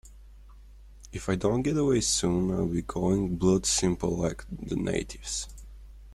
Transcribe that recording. If I don't get away soon I'll be going blood-simple like the natives.